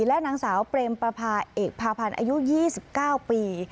และนางสาวเปรมประพาเอกพาพันธ์อายุ๒๙ปี